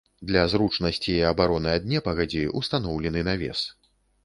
Для зручнасці і абароны ад непагадзі ўстаноўлены навес.